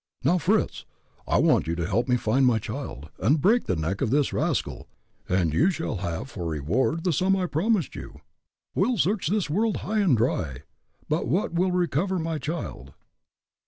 Now, Fritz, I want you to help me find my child, and break the neck of this rascal, and you shall have for reward the sum I promised you. We'll search this world high and dry but what we'll recover my child.